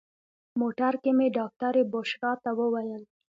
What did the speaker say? موټر کې مې ډاکټرې بشرا ته وویل.